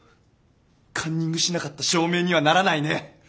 カンニングしなかった証明にはならないね。